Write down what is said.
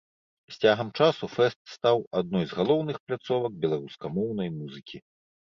З цягам часу фэст стаў адной з галоўных пляцовак беларускамоўнай музыкі.